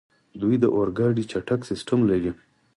دوی د اورګاډي چټک سیسټم لري.